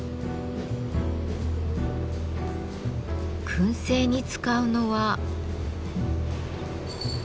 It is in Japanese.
燻製に使うのは。